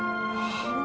ああ